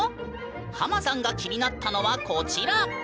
ハマさんが気になったのはこちら！